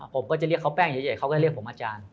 ผมก็จะเรียกเขาแป้งเฉยเขาก็เรียกผมอาจารย์